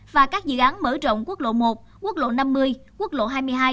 và các dự án mở rộng quốc lộ một quốc lộ năm mươi quốc lộ hai mươi hai